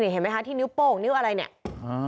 เห็นไหมคะที่นิ้วโป้งนิ้วอะไรเนี่ย